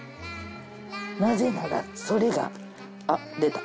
なぜならそれがあっ出た。